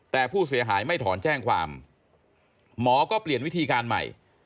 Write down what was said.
แต่ผู้เสียหายไม่ถอนแจ้งความหมอก็เปลี่ยนวิธีการใหม่